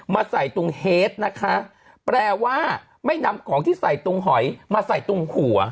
มาใส่ตรงเฮดนะคะแปลว่าไม่นำของที่ใส่ตรงหอยมาใส่ตรงหัว